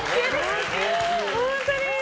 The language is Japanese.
本当に！